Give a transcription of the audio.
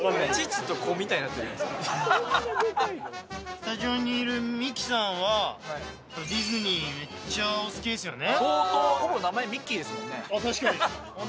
スタジオにいるミキさんはディズニーめっちゃお好きですよね・